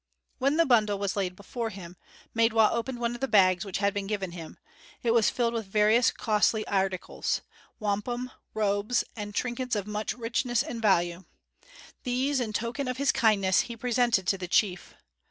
When the bundle was laid before him, Maidwa opened one of the bags which had been given to him. It was filled with various costly articles wampum, robes, and trinkets of much richness and value; these, in token of his kindness, he presented to the chief.